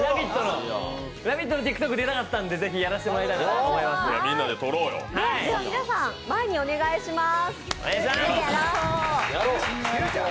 「ラヴィット！」のＴｉｋＴｏｋに出たかったので、ぜひやらせてもらえたらと皆さん、前にお願いします。